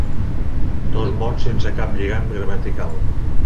Dos mots sense cap lligam gramatical.